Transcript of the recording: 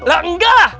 lah engga lah